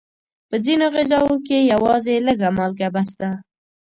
په ځینو غذاوو کې یوازې لږه مالګه بس ده.